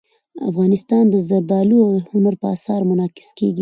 افغانستان کې زردالو د هنر په اثار کې منعکس کېږي.